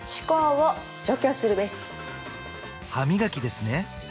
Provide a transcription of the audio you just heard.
歯磨きですね